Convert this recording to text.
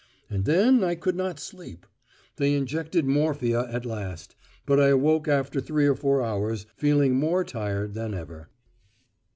And then I could not sleep. They injected morphia at last, but I awoke after three or four hours feeling more tired than ever.